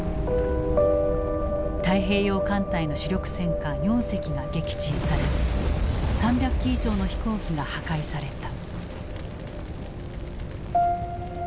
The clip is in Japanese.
太平洋艦隊の主力戦艦４隻が撃沈され３００機以上の飛行機が破壊された。